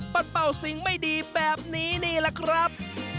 เป่าสิ่งไม่ดีแบบนี้นี่แหละครับ